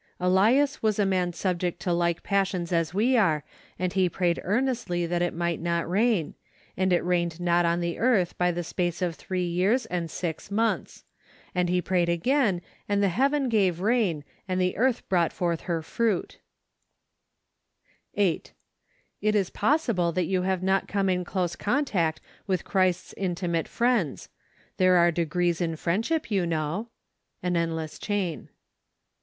" Elias was a man subject to like passions as we are, and he prayed earnestly that it might not rain : and it rained not on the earth by the space of three years and six months. And he prayed again , and the heaven gave rain , and the earth brought forth her fruit" 8. It is possible that you have not come in close contact with Christ's intimate friends. There are degrees in friendship, you know. An Endless Chain.